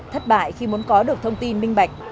thất bại khi muốn có được thông tin minh bạch